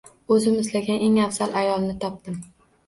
Oʻzim izlagan eng afzal ayolni topdim.